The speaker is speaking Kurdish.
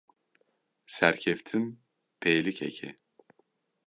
Serkeftin pêlikek e.